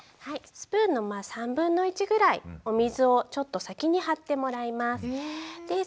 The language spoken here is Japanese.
スプーンの３分の１ぐらいお水をちょっと先に張ってもらいます。